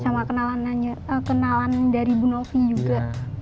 sama kenalan dari bu novi juga